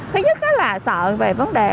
thứ nhất là sợ về vấn đề họ